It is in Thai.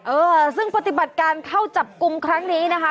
เออซึ่งปฏิบัติการเข้าจับกลุ่มครั้งนี้นะคะ